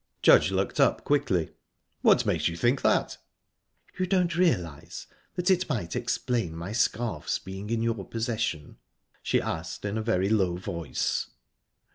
Judge looked up quickly. "What makes you think that?" "You don't realise that it might explain my scarf's being in your possession?" she asked in a very low voice.